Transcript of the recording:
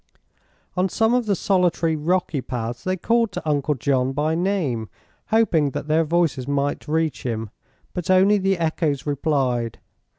On some of the solitary rocky paths they called to Uncle John by name, hoping that their voices might reach him; but only the echoes replied.